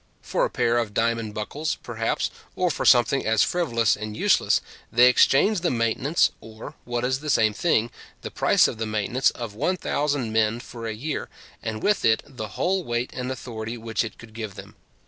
For a pair of diamond buckles, perhaps, or for something as frivolous and useless, they exchanged the maintenance, or, what is the same thing, the price of the maintenance of 1000 men for a year, and with it the whole weight and authority which it could give them.